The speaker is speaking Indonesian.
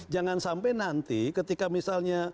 jangan sampai nanti ketika misalnya